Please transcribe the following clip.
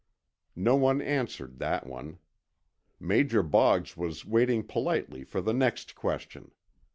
No one answered that one. Major Boggs was waiting politely for the next question.